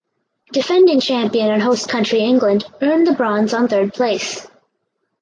Defending champion and host country England earned the bronze on third place.